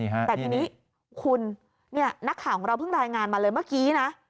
แต่ทีนี้คุณนักข่าวของเราเพิ่งรายงานมาเลยเมื่อกี้นะ